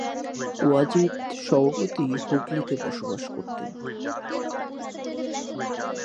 ওয়াজিদ স্বভাবতই হুগলিতে বসবাস করতেন।